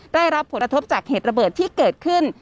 ได้รับผลกระทบจากเหตุระเบิดที่เกิดขึ้น